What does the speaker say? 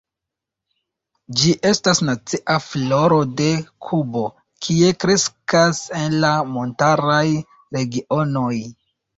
Ĝi estas nacia floro de Kubo, kie kreskas en la montaraj regionoj.